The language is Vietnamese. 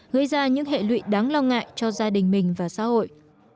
gây ra những hệ lụy đáng lo ngại cho gia đình mình và xã hội